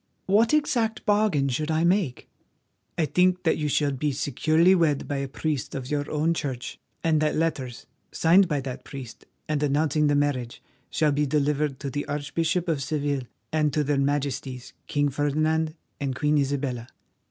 "What exact bargain should I make?" "I think that you shall be securely wed by a priest of your own Church, and that letters, signed by that priest and announcing the marriage, shall be delivered to the Archbishop of Seville, and to their Majesties King Ferdinand and Queen Isabella.